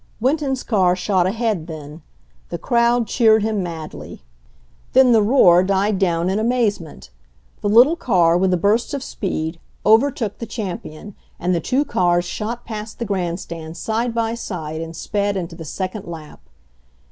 Winton's car shot ahead then. The crowd cheered him madly. Then the roar died down in amaze WINNING A RACE 109^ merit The little car, with a burst of speed, over took the champion, and the two cars shot past the grandstand side by side and sped into the second lap.